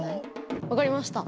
わかりました。